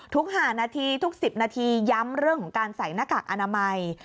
๕นาทีทุก๑๐นาทีย้ำเรื่องของการใส่หน้ากากอนามัย